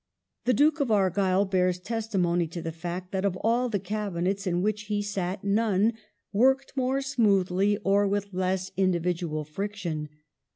^ The Duke of Argyll bears testimony to the fact that of all the Cabinets in which he sat none worked more smoothly or with less individual friction